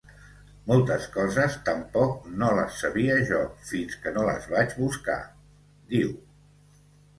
Moltes coses tampoc no les sabia jo, fins que no les vaig buscar, diu.